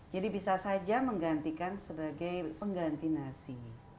jadi bisa saja menggantikan sebagai pengganti nasi